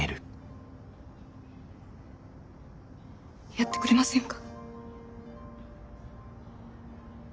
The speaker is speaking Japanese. やってくれませんか。